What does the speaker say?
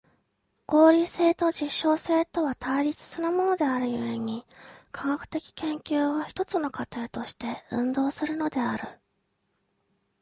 合理性と実証性とは対立するものである故に、科学的研究は一つの過程として運動するのである。